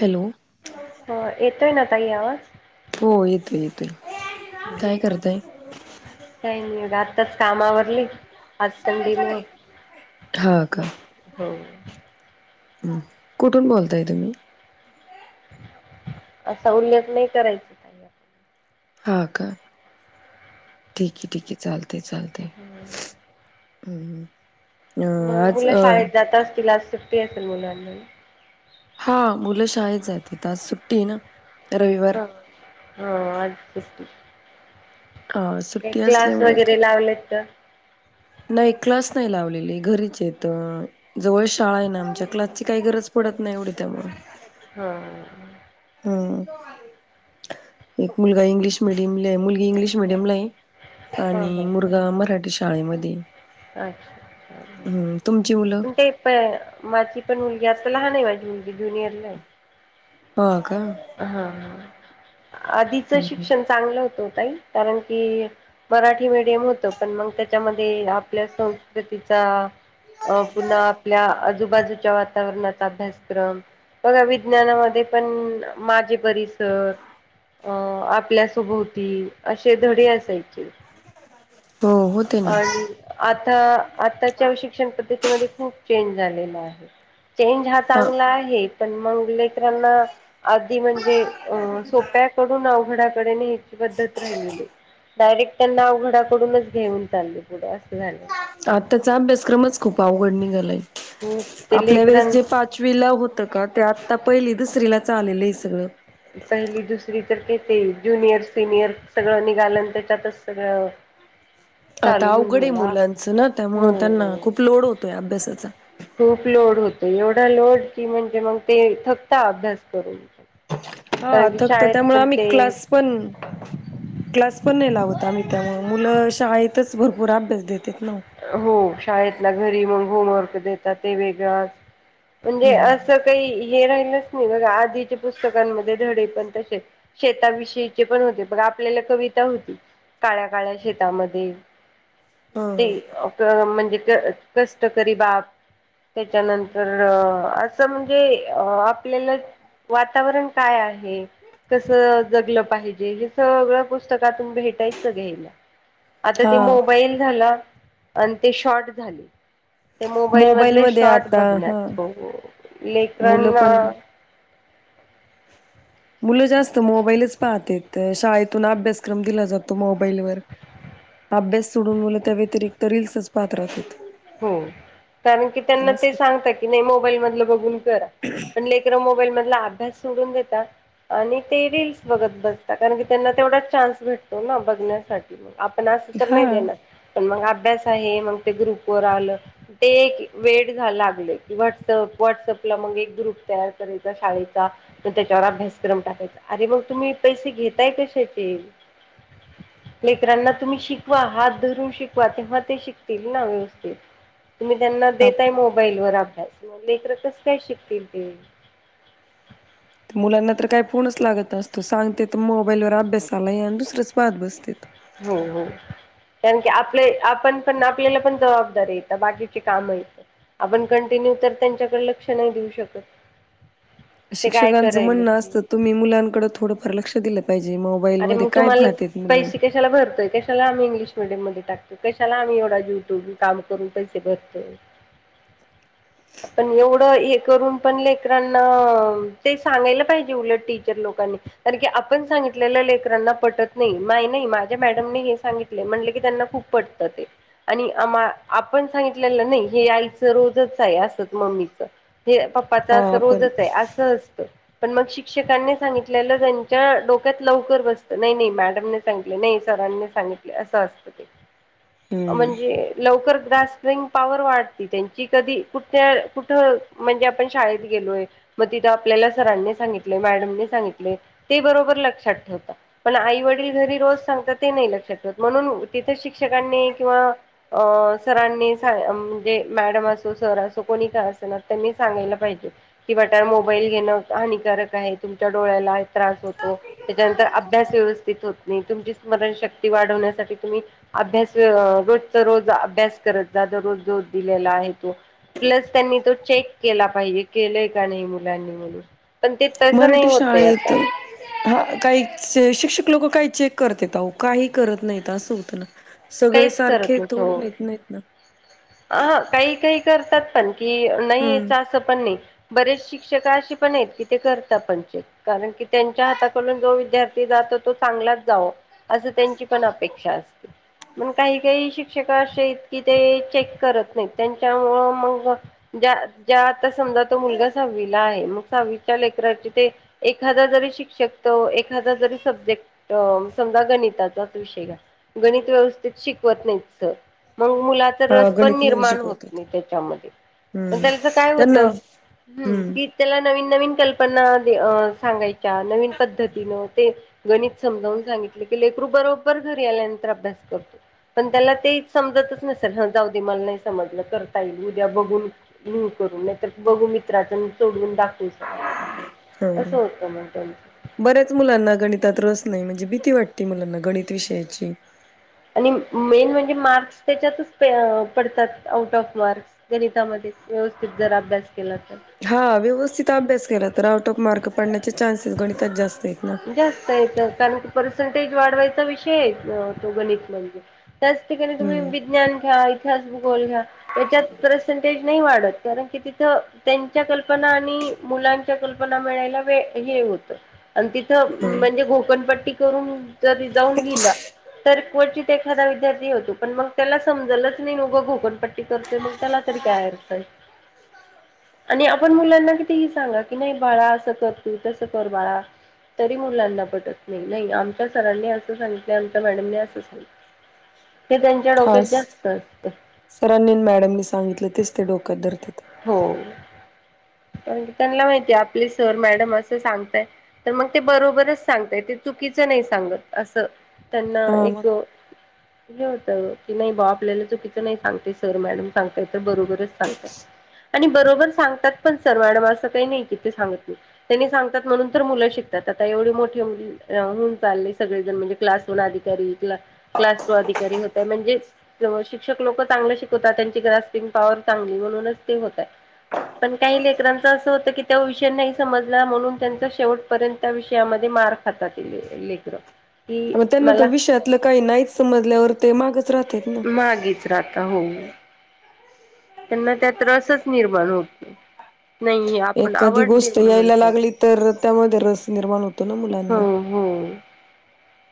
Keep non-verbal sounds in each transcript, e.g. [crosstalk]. Hello हो येतोय ना ताई आवाज? हो येतोय येतोय काय करताय? काय नाही आताच कामा आवरली आज संडे मुळ. हा का हो. कुठून बोलताय तुम्ही? असा उल्लेख नाही करायचा. ताई हा का ठीक आहे ठीक आहे चालतंय चालतंय. आपण हम मग मुलं शाळेत जात असतील आज सुट्टी असेल मुलांना हा मुलं शाळेत जात्यात आज सुट्टी आहे ना रविवार हो आज हा काय सुट्टी क्लास असल्यामुळे वगैरे काय लावलेत का? नाही क्लास नाही लावलेली घरीच आहेत. जवळ शाळा आहे ना आमच्या क्लासची काही गरज पडत नाही एवढी त्यामुळे. हम हम एक मुलगा इंग्लिश मिडियमला आहे मुलगी इंग्लिश मिडियमला आहे हो आणि हो मुलगा मराठी शाळेमध्ये आहे अच्छा तुमची मुलं पण ते पण माझी पण मुलगी आता लहान आहे माझी जुनियरला आहे. हा का हा आधीचं हम्म. शिक्षण चांगलं होतं हो ताई कारण की मराठी मीडियम होत पण मग त्याच्यामध्ये आपल्या संस्कृतीचा अ पुन्हा आपल्या आजूबाजूच्या वातावरणाचा अभ्यासक्रम बघा मी विज्ञानामध्ये पण माझे परिसर अ आपल्यासोभोवती असे धडे असायचे हो होते ना आणि आता आताच्या शिक्षण पद्धतीमध्ये खूप चेंज झालेला आहे चेंज हा ह चांगला आहे पण मंग लेकरांना आधी म्हणजे सोप्या अवघडाकडेची पद्धत राहिलेली डायरेक्ट त्यांना अवघडाकडूनच घेऊन चालली पुढं असं झालं आताचा अभ्यासक्रमच खूप अवघड निघालाय खूप ते आपल्या वेळेस लेकरां जे पाच पाचवीला होतं का ते आत्ता पहिली दुसरीलाच आलेलं आहे सगळं. पहिली दुसरी तर ते ज्युनियर सिनियर सगळं निघालं त्याच्यातच सगळं चालू आता होऊन अवघड गेला मुलांचं ना हो. त्यामुळे त्यांना खूप लोड होतोय अभ्यासाचा खूप लोड होतो एवढा लोड की म्हणजे मंग ते थकता अभ्यास करून. हा कारण की थकतो शाळेत त्यामुळे पण आम्ही ते क्लास पण क्लास पण नाही लावत आम्ही त्यामुळे मुलं शाळेतच भरपूर अभ्यास देतेत ना. हो शाळेतला घरी मग होमवर्क देतात ते वेगळंच म्हणजे ह अस चं काही हे राहिलच नाही बघा आधीच्या पुस्तकांमध्ये धडे पण तशे शेताविषयीचे पण होते बघ आपल्याला कविता होती काळ्या काळ्या शेतामध्ये ते ह प्रव म्हणजे क कष्टकरी बाप त्याच्यानंतर अ असं म्हणजे अ आपल्याला वातावरण काय आ हे कसं जगलं पाहिजे हे सगळं पुस्तकातून भेटायचं घ्यायला. आता ते हा मोबाईल झाला आणि ते शॉर्ट झाले ते मोबाईल मधले मध्ये शॉर्ट आता हा बघण्यात हो मुलं लेकरांना पण मुलं जास्त मोबाईलच पाहतेत शाळेतून अभ्यासक्रम दिला जातो मोबाईलवर अभ्यास सोडून मुलं त्या व्यतिरिक्त रीलसच पाहत राहतात. हो कारण की त्यांना ते सांगतं की नाही मोबाईल मधलं बघून करा पण ले करं मोबाईल मधला अभ्यास सोडून देतात आणि ते रील्स बघत बसतात कारण की त्यांना तेवढा चान्स भेटतो ना बघण्यासा ठी आपण असं तर नाही हा देणार पण मग अभ्यास आहे मग ते ग्रुप वर आलं ते एक वेड झा लागले की व्हॉटसअप व्हॉट्सअपला मग एक ग्रुप तयार करायचा शाळेचा मग त्याच्यावर अभ्यासक्रम टाकायचा अरे मग तुम्ही पैसे घेताय कशाचे लेकरांना तुम्ही शिकवा हात धरून शिकवा, तेव्हा ते शिकतील ना व्यवस् थित तुम्ही त्यांना देताय मोबाईल वर अभ्यास लेकर कसं काय शिकतील ते. मुलांना तर काय फोनच लागत नसतो सांगते तर मोबाईलवर अभ्यासा आला आहे आणि दुसरंच पाहत बसतेत. हो हो. कारण की आपले आपण पण आपल्याला पण जबाबदारी येतं बाकीची कामं येतं. आपण कंटिन्यू तर त्यांच्याकडे लक्ष नाही देऊ शकत. ते काय शिक्षकांचं करायले म्हणणं ते. असतं तुम्ही मुलांकडे थोडंफार लक्ष दिलं पाहिजे म बाईल अरे मध्ये मग काय तुम्हाला पाहत्यात मुलं? पैसे कशाला भरतोय कशाला आम्ही इंग्लिश मिडीयम मध्ये टाक कशाला आम्ही एवढा जीव तोडून काम करून पैसे भरतोय. पण एवढं हे करून पण लेकरांना ते सांगायला पाहिजे उलट टीचर लोकांनी तरी की आपण सांगि तलेले लेकरांना पटत नाही माय नाही माझ्या मॅडमने हे सांगितले म्हटले की त्यांना खूप पटतं ते. आणि आम्हा आपण सांगितलेलं नाही हे आईचं रोजच आहे असंच मम्मीचा. हे पप पाचा हा असं आपण रोजच आहे असं असतं पण मग शिक्षकांनी सांगितलेलं त्यांच्या डो क्यात लवकर बसतं नाही नाही मॅडमने सांगितले नाही सरांनी सांगितले असं असतं ते. हम्म. म्हणजे लवकर गास सिंग पॉवर वाढती त्यांची कधी कुठे कुठं म्हणजे आपण शाळेत गेलोय मग तिथं आपल्याला सरांनी सांगितले मॅडमने सांगितले ते बरोबर लक्षात ठेवता. पण आई वडील घरी रोज सांगतात ते नाही लक्षात ठेवत म्हणून तिथे शिक्षकांनी किंवा अ सरांनी म्हणजे सा मॅडम असो सर असो कोणी काय असो ना त्यांनी सांगायला पाहिजे कि बेटा मोबाईल घेणं हानिकारक आहे तुमच्या डोळ्याला त्रास होतो त्याच्यानंतर अभ्यास व्यवस्थित होत नाही तुमची स्मरणशक्ती वाढवण्यासाठी तुम्ही अभ्यास रोज तर रोज अभ्यास करत जादा रोज दोध दिलेला आहे तो. प्लस त्यांनी तो चेक केला पाहिजे केलंय का नाही मुलांनी म्हणून. पण ते तसं नाही मराठी होतं शाळेत आता. हा काही शिक्षक लोक काही चेक करतेत काही करत नाहीत होत ना. सगळे सारखे थोडी नेत नाहीत ना. अ काही काही करतात पण कि हम्म. नाहीच असं पण नाही. बरेच शिक्षक अे पण आहेत की ते करतात पण कारण की त्यांच्या हाताकडून जो विद्यार्थी जातो तो चांगलाच जावो. असं त्यांची पण अपेक्षा असते. मण काही काही शिक्षक असे आहेत की ते चेक करत नाही त्यांच्यामुळं मग. ज्या ज्या आता समजा तो मुलगा सहावीला आहे मग सहावीच्या लेकराची ते. एखादा जरी शिक्षकतो एखादा जरी सब्जेक्ट अ समजा गणिताचाच विषय घ्या गणित व्यवस्थ शिकवत नाहीत सर मग मुलात- हा रस पण गणित नाही निर्माण होत शिकवत नाही त्याच्यामध्ये प हम्म त्याच काय? होत. त्यांना हम्म त्याला नवीन नवीन कल्पना दे सांगायच्या नवीन पद्धतीनं ते. गणित समजावून सांगितले की लेकरू बरोबर घरी आल्यानंतर अभ्यास करतो. पण त्याला ते समजतच नसेल ह जाऊ दे मला नाही समजलं करता येईल उद्या बघून. ह करू नाही तर बघू मित्राच सोडवून दाखवू. अस ह. होत मग त्याची. बऱ्याच मुलांना गणितात रस नाही म्हणजे भीती वाटते मुलांना गणित विषयाची आणि मेन म्हणजे मार्क्स त्याच्यातच प पडतात आउट ऑफ मार्क्स. गणितामध्ये व्यवस्थित जर अभ्यास केला तर हा व्यवस्थित अभ्यास केला तर आउट ऑफ मार्क पडण्याचे चान्सेस गणितात जास्त आहेत. ना नायतर त्यांना कार पर्सेंटेज वाढवायचा विषय आहे. तो गणित म्हणजे त्याच ठिकाणी तुम्ही हम्म विज्ञान घ्या इतिहास भूगोल घ्या. त्याच्यात पर्सेंटेज नाही वाढत कारण की तिथ त्यांच्या कल्पना आणि. मुलांच्या कल्पना मिळायला वे हे होतं. आणि तिथं हम्म म्हणजे घोकणपट्टी करून त जाऊन लिहिला. तर कवटित एखादा विद्यार्थी होतो पण मग त्याला समजलंच नाही न घु घोँकपट्टी करतोय मग त्याला तरी काय अरत. आणि आपण मुलांना कि. तीही सांगा की नाही बाळा असं कर तू तसं कर बाळा तरी मुलांना पटत नाही नाही आमच्या सरांनी असं सांगितलं आमच्या मॅडमने असं सांगलं- हा असतं सर अनिल मॅडमनी सांगितलं तेच ते डोक्यात धरते. हो प त्यांना माहितीय आपले सर मॅडम असं सांगताय. तर मग ते बरोबरच सांगतय ते चुकीचं नाही सांगत असं. त्यांना हा एक मग हे होत की नाही बा आपल्याला चुकीचं नाही सांगते सर मॅडम सांगताय तर बरोबरच सांगतय. आणि बरोबर सांगतात पण सर मडम असं काही नाही कि ते सांगत नाही. त्यांनी सांगतात म्हणून तर मुलं शिकतात आता एवढी मोठीऊन चालली सगळेण म्हणजे क्लास अधिकारी क्लास टू अधिकारी होता. म्हणजे शिक्षक लोक चांगलं शिकवतात त्यांची ग्रास्पिंग पॉवर चांगली म्हणूनच ते होत पण काही लेकरांच असं होतं की ते विषय नाही समजला म्हणून त्यांचा शेवटपर्यंत त्या विषयामध्ये मार्क खातात लेकर डं की ते मला विषयातलं काही नाहीच समजल्यावर ते मागच राहतेत ना. मागेच राहत हो त्यांना त्यात रसंच निर्माण होत नाही. नाही आपण एखादी आवड गोष्ट निर्माण व्हायला यायला पाहिजे. लागली तर त्यामध्ये रस निर्माण होतो ना हो मुलांना. हो.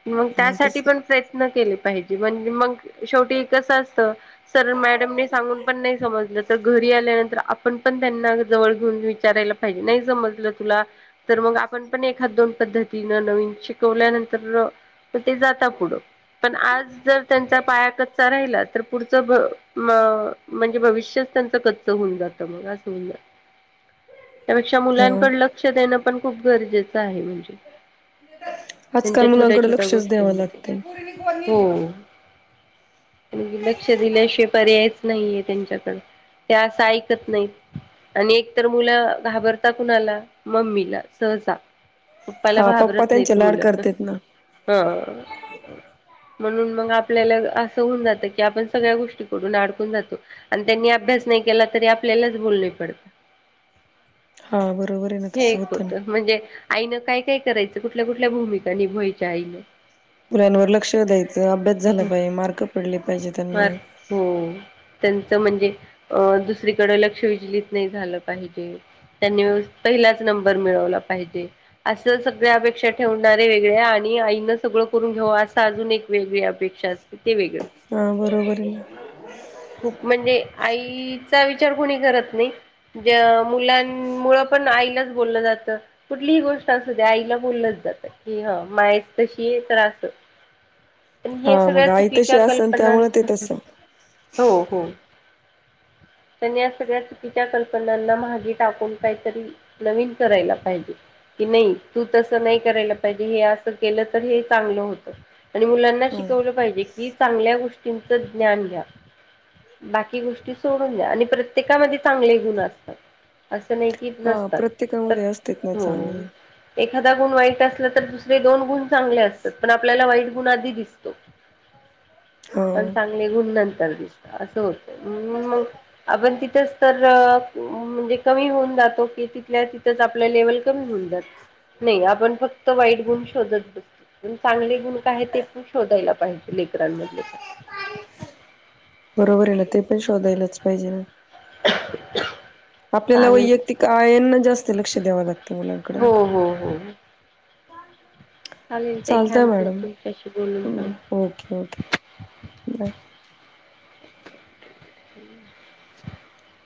मग त्यासाठी पण प्रयत्न केले पाहिजे म्हणजे मग शेवटी कसं असतं सर मॅडमने सांगून पण नाही समजलं तर घरी आल्यानंतर आप ण पण त्यांना जवळ घेऊन विचारायला पाहिजे, नाही समजलं तुला? तर मग आपण पण एखादं दोन पद्धतीनं नवीन शिकवल्यानंतर तर ते जाता पुढं. पण आज जर त्यांचा पाया कच्चा राहिला तर पुढचं भ म म्हणजे भविष्यच त्यांंच कच्च होऊन जातं मग असं होऊन जात. ह त्यापेक्षा मुलांकड लक्ष देणं पण खूप गरजेचं आहे म्हणजे. आजकाल त्यांच्या छोट्या मुलांकडे छोट्या लक्षचं द्याव गोष्टींमध्ये लागतंय. हो आणि लक्ष दिल्याशिवाय पर्यायच नाहीये त्यांच्याकडं. ते असं ऐकत नाहीत. आणि एक तर मुलं घाबरता कुणाला? मम्मीला सहसा. पप्पाला हा पप्पा घाबरत त्यांचे नाहीत लाड मुलं करतेत ना. हा. म्हणून मग आपल्याला असं होऊन जात की आपण सगळ्या गोष्टीकडून अडकून जातो. आणि त्यांनी अभ्यास नाही केला तरी आपल्यालाच बोलणी पडतं. ह हे एक होतं म्हणजे आईनं काय काय करायचं कुठल्या कुठल्या भूमिका निभवायच्या आईनं? मुलांवर लक्ष द्यायचं अभ्यास झाला पाहिजे मार्क पडले पाहिजे फार त्यांना. हो त्यांचं म्हणजे अ दुसरीकडं लक्ष विचलित नाही झालं पाहिजे. त्यांनी पहिलाच नंबर मिळवला पाहिजे. असं सगळ्या अपेक्षा ठेवणारे वेगळे आ णि आईन सगळं करून घ्याव असं अजून एक वेगळी अपेक्षा असते ते वेगळंच. हां बरोबर आहे. खूप म्हणजे आईचा विचार कोणी करत नाही. ज मुलांमुळ पण आईलाच बोललं जातं. कुठलीही गोष्ट असू द्या आईला बोललंच जात, की हं माय तशी आहे तर असं पण हे हा मग सगळ्या आई तशी चुकीच्या असन कल्पनां त्यामुळे ते तस. हो हो. पण या सगळ्या चुकीच्या कल्पनांना माहगे टाकून काहीतरी नवीन करायला पाहिजे की नाही तू तसं नाही करायला पाहिजे हे असं केल तर हे चांगलं होत आणि मुलांना ह शिकवलं पाहिजे की चांगल्या गोष्टींचं ज्ञान घ्या. बाकी गोष्टी सोडून द्या आणि प्रत्येकामध्ये चांगले गुण असतात असं नाही की हा नसतात, प्रत्येकामध्ये असतेत ना हो चांगले एखादा गुण वाईट असला तर दुस रे दोन गुण चांगले असतात पण आपल्याला वाईट गुण आधी दिसतो पण हा. चांंग ले गुण नंतर दिसत असं होतं म्हणून म अगं तिथंच तर म्हणजे कमी होऊन जातो की तिथल्या तिथंच आपलं लेवल कमी होऊन जात, नाही आपण फक्त वाईट गुण शोधत बसतो पण चांगले गुण काय हे ते पण शोधायला पाहिजे लेकरांमधले पण. बरोबर आहे ना ते पण शोधायलाच पाहिजे ना.. [inaudible] आपल्याला चालेल वैयक्तिक आयांना जास्त लक्ष द्यावं लागतं मुलांकड. हो हो हो! चालेल ताई चालतय थँक्यू मॅडम तुमच्याशी बोलून चांगलं ओके ओके बाय. [inaudible]